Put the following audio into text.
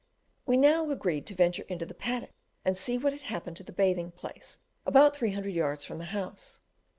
We now agreed to venture into the paddock and see what had happened to the bathing place about three hundred yards from the house.